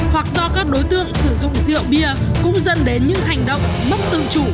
hoặc do các đối tượng sử dụng rượu bia cũng dân đến những hành động mất tương trụ